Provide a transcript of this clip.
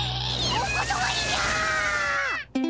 おことわりじゃ！